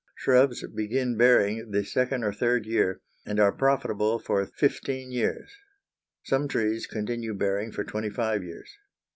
Shrubs begin bearing the second or third year, and are profitable for fifteen years, some trees continue bearing for twenty five years.